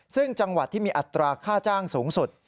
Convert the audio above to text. ซึ่งจังหวัดที่มีอัตราค่าจ้างสูงสุด